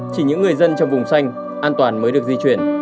chỉ những người dân trong vùng xanh an toàn mới được di chuyển